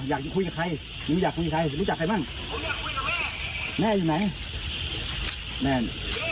อยากจะคุยกับใครหนูอยากคุยกับใครรู้จักใครบ้างแม่อยู่ไหนแม่